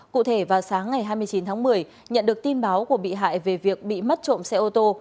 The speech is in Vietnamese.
cụ thể vào sáng ngày hai mươi chín tháng một mươi nhận được tin báo của bị hại về việc bị mất trộm xe ô tô